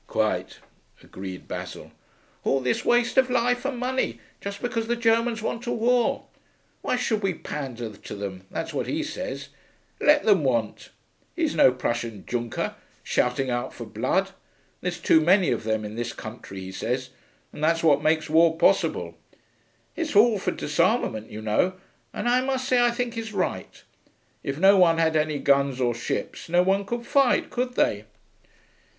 'Quite,' agreed Basil. 'All this waste of life and money just because the Germans want a war! Why should we pander to them, that's what he says. Let them want. He's no Prussian Junker, shouting out for blood. There's too many of them in this country, he says, and that's what makes war possible. He's all for disarmament, you know, and I must say I think he's right. If no one had any guns or ships, no one could fight, could they?'